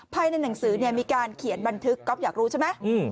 ภายในหนังสือเนี่ยมีการเขียนบันทึกก๊อฟอยากรู้ใช่ไหม